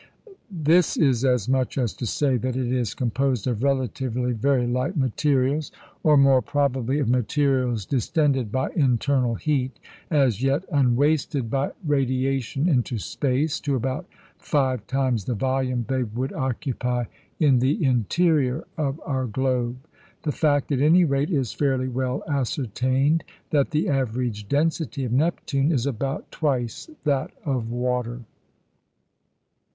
This is as much as to say that it is composed of relatively very light materials, or more probably of materials distended by internal heat, as yet unwasted by radiation into space, to about five times the volume they would occupy in the interior of our globe. The fact, at any rate, is fairly well ascertained, that the average density of Neptune is about twice that of water.